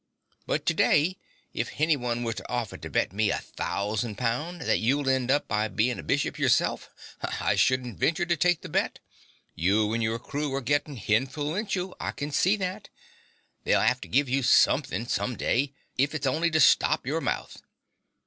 But to day, if henyone was to offer to bet me a thousan' poun' that you'll end by bein' a bishop yourself, I shouldn't venture to take the bet. You and yore crew are gettin' hinfluential: I can see that. They'll 'ave to give you something someday, if it's only to stop yore mouth.